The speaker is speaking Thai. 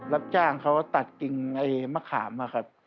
รับจ้างเขาตัดกิ่งไอ้มะขามอะครับ